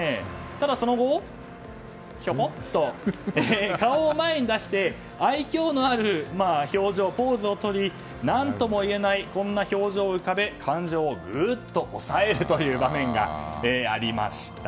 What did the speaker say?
ただ、その後ひょこっと顔を前に出して愛嬌のある表情、ポーズをとり何とも言えない表情を浮かべ感情をぐっと抑えるという場面がありました。